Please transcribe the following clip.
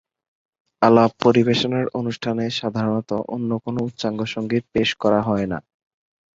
আলাপ পরিবেশনের অনুষ্ঠানে সাধারণত অন্য কোনো উচ্চাঙ্গসঙ্গীত পেশ করা হয় না।